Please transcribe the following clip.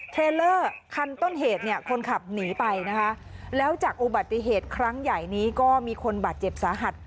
เทรลเลอร์คันต้นเหตุเนี่ยคนขับหนีไปนะคะแล้วจากอุบัติเหตุครั้งใหญ่นี้ก็มีคนบาดเจ็บสาหัส